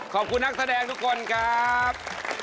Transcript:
ขอบคุณนักแสดงทุกคนครับ